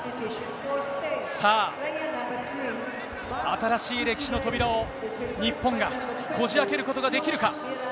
さあ、新しい歴史の扉を日本がこじあけることができるか。